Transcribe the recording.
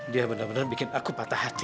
dia benar benar bikin aku patah hati